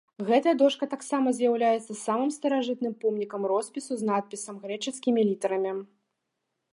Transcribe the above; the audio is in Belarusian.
Гэтая дошка таксама з'яўляецца самым старажытным помнікам роспісу з надпісам грэчаскімі літарамі.